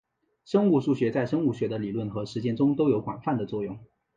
生物数学在生物学的理论和实践中都有广泛的应用。